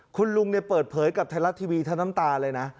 คุณลุงเปิดเผยกับไทยรัฐทีวีทั้งน้ำตาเลยนะ